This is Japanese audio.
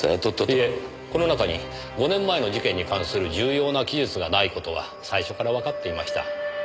いえこの中に５年前の事件に関する重要な記述がない事は最初からわかっていました。